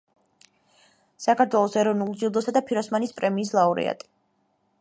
საქართველოს ეროვნული ჯილდოსა და ფიროსმანის პრემიის ლაურეატი.